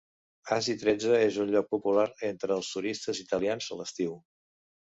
Aci Trezza és un lloc popular entre els turistes italians a l'estiu.